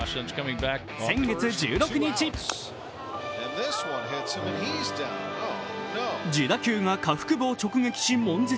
先月１６日自打球が下腹部を直撃しもん絶。